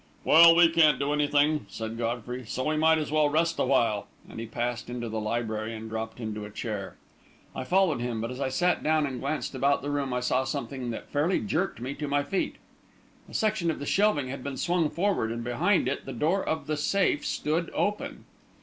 "Well, we can't do anything," said Godfrey, "so we might as well rest awhile," and he passed into the library and dropped into a chair. I followed him, but as I sat down and glanced about the room I saw something that fairly jerked me to my feet. A section of the shelving had been swung forward, and behind it the door of the safe stood open.